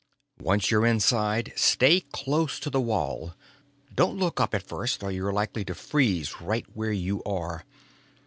"Once you're inside, stay close to the wall. Don't look up at first or you're likely to freeze right where you are.